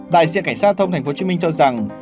đại diện cảnh sát giao thông tp hcm cho rằng